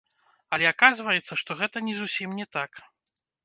Але аказваецца, што гэта не зусім не так!